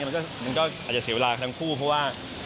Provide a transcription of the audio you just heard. มันก็อาจจะเสียเวลาทั้งคู่เพราะว่า